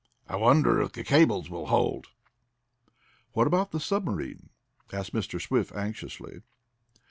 "I wonder if the cables will hold?" "What about the submarine?" asked Mr. Swift anxiously.